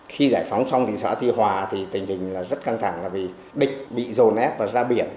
khi giải phóng xong thì xã tuy hòa thì tình hình rất căng thẳng là vì địch bị dồn ép và ra biển